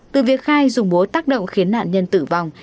từ việc khai dùng búa tác động khiến nạn nhân tử vong